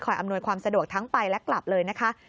อำนวยความสะดวกทั้งไปและกลับเลยนะคะ